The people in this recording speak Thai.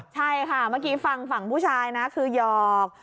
ใช่ค่ะเมื่อกี้ฟังฝั่งผู้ชายนะคือหยอก